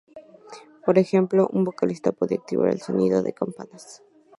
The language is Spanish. Por ejemplo, un vocalista podía activar el sonido de campanas.